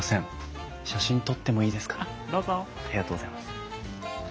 ありがとうございます。